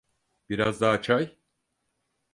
Biraz daha çay?